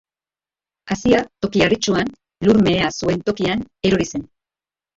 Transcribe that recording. Hazia toki harritsuan, lur mehea zuen tokian erori zen.